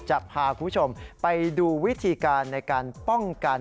จะพาคุณผู้ชมไปดูวิธีการในการป้องกัน